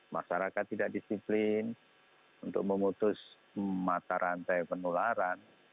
masyarakat tidak disiplin untuk memutus mata rantai penularan